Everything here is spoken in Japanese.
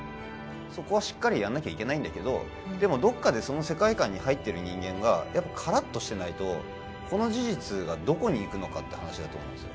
そこはしっかりやんなきゃいけないんだけどでもどっかでその世界観に入ってる人間がやっぱカラッとしてないとこの事実がどこにいくのかって話だと思うんですよ